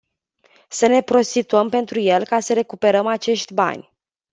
Să ne prostituăm pentru el, ca să recuperăm acești bani.